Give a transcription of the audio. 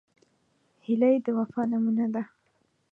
هیلۍ د وفا نمونه ده